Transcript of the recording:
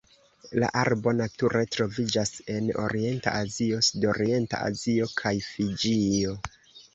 La arbo nature troviĝas en Orienta Azio, Sudorienta Azio kaj Fiĝio.